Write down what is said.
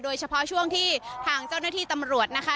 โดยเฉพาะช่วงที่ทางเจ้าหน้าที่ตำรวจนะคะ